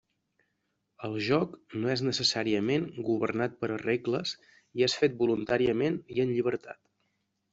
El joc no és necessàriament governat per regles i és fet voluntàriament i en llibertat.